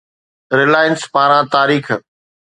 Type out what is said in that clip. Reliance پاران تاريخ